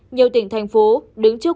nhiều tỉnh thành phố đứng trước